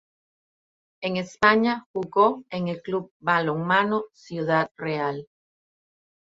En España jugó en el Club Balonmano Ciudad Real.